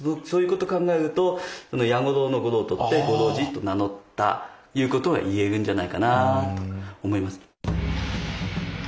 そういうこと考えると八五郎の「五郎」取って五郎治と名乗ったいうことはいえるんじゃないかなと思います。